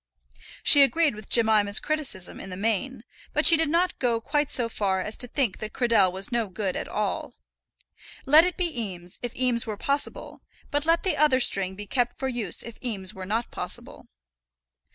She agreed with Jemima's criticism in the main, but she did not go quite so far as to think that Cradell was no good at all. Let it be Eames, if Eames were possible; but let the other string be kept for use if Eames were not possible.